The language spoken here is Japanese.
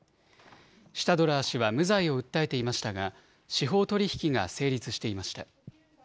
シュタドラー氏は無罪を訴えていましたが、司法取引が成立していました。